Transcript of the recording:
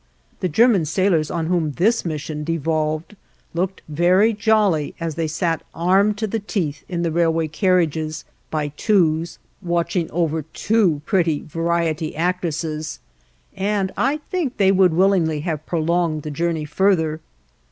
The German sailors on whom this mission devolved looked very jolly as they sat armed to the teeth in the railway carriages, by twos, watching over two pretty variety actresses, and I think they would willingly have prolonged the journey farther.